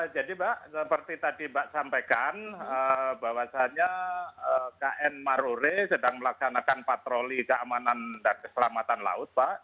mbak seperti tadi mbak sampaikan bahwasannya kn marore sedang melaksanakan patroli keamanan dan keselamatan laut pak